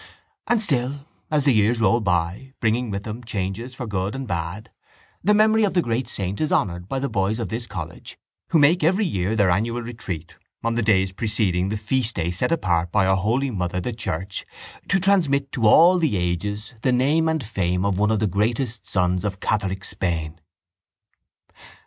And still as the years roll by, bringing with them changes for good and bad, the memory of the great saint is honoured by the boys of this college who make every year their annual retreat on the days preceding the feast day set apart by our Holy Mother the Church to transmit to all the ages the name and fame of one of the greatest sons of catholic Spain.